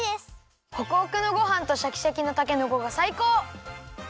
ホクホクのごはんとシャキシャキのたけのこがさいこう！